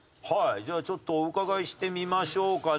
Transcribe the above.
じゃあちょっとお伺いしてみましょうかね。